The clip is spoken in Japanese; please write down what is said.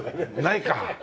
ないか。